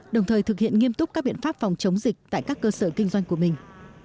đồng thời thực hiện nghiêm túc các biện pháp phòng chống dịch tại các cơ sở kinh doanh của mình